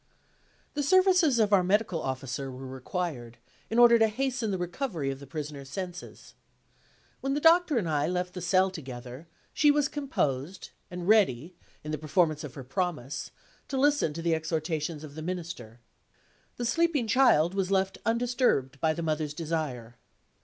The services of our medical officer were required, in order to hasten the recovery of the Prisoner's senses. When the Doctor and I left the cell together, she was composed, and ready (in the performance of her promise) to listen to the exhortations of the Minister. The sleeping child was left undisturbed, by the mother's desire.